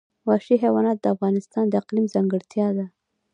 وحشي حیوانات د افغانستان د اقلیم ځانګړتیا ده.